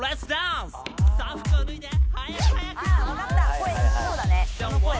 声そうだね。